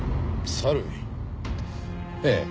ええ。